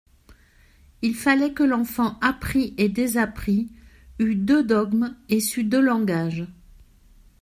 Il fallait que l'enfant apprît et désapprît, eût deux dogmes et sût deux langages.